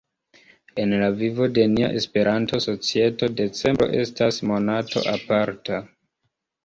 En la vivo de nia Esperanto-societo decembro estas monato aparta.